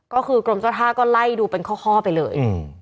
ก็คือกรมศาสตร์ก็ไล่ดูเป็นข้อไปเลย